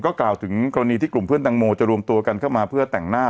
กล่าวถึงกรณีที่กลุ่มเพื่อนแตงโมจะรวมตัวกันเข้ามาเพื่อแต่งหน้า